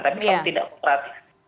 tapi kalau tidak operatif